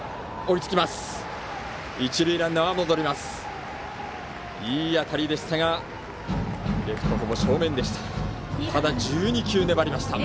いい当たりでしたがレフトほぼ正面でした。